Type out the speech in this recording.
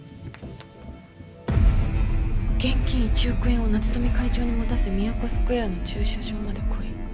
「現金１億円を夏富会長に持たせミヤコスクエアの駐車場まで来い」